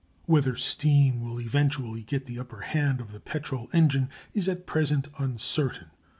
Whether steam will eventually get the upper hand of the petrol engine is at present uncertain.